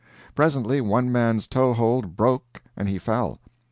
Presently, one man's toe hold broke and he fell!